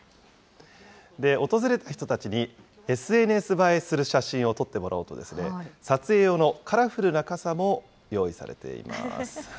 訪れた人たちにＳＮＳ映えする写真を撮ってもらおうと、撮影用のカラフルな傘も用意されています。